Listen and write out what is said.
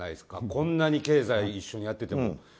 こんなに経済を一緒にやっていても。